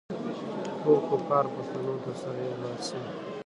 ټول کفار پښتنو ته سره یو لاس شوي.